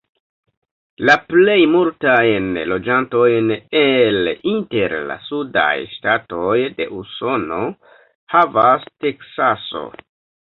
La plej multajn loĝantojn el inter la sudaj ŝtatoj de Usono havas Teksaso.